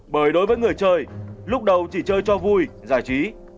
bởi đối với người chơi lúc đầu chỉ chơi cho vui giải trí